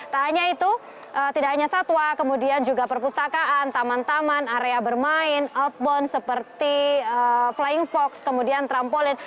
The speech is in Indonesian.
tak hanya itu tidak hanya satwa kemudian juga perpustakaan taman taman area bermain outbound seperti flying fox kemudian trampolin